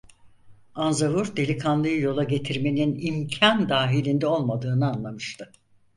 Anzavur delikanlıyı yola getirmenin imkân dahiliğinde olmadığını anlamıştı.